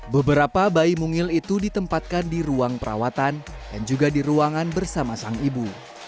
beberapa bayi mungil itu ditempatkan di ruang perawatan dan juga di ruangan bersama sang ibu